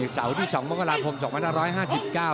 เสาที่สองเมื่อก่อนาคมสองพันห้าร้อยห้าสิบเก้า